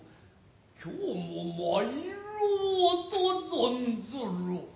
今日も参らうと存ずる。